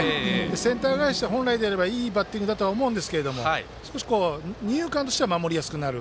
センター返しで本来であればいいバッティングだと思うんですが二遊間としては守りやすくなる。